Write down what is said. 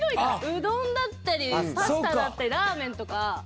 うどんだったりパスタだったりラーメンとか。